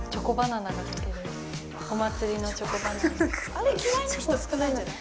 あれ嫌いな人少ないんじゃない？